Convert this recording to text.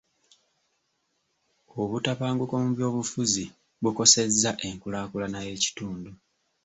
Obutabanguko mu byobufuzi bukosezza enkulaakulana y'ekitundu.